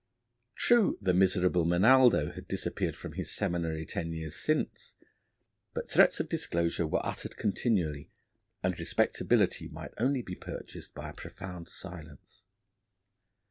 True, the miserable Menaldo had disappeared from his seminary ten years since, but threats of disclosure were uttered continually, and respectability might only be purchased by a profound silence.